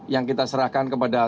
yang kita serahkan kepada